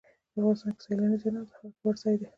افغانستان کې سیلانی ځایونه د خلکو د خوښې وړ ځای دی.